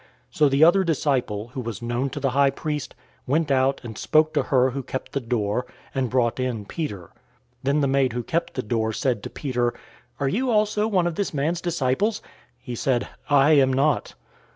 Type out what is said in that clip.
So the other disciple, who was known to the high priest, went out and spoke to her who kept the door, and brought in Peter. 018:017 Then the maid who kept the door said to Peter, "Are you also one of this man's disciples?" He said, "I am not."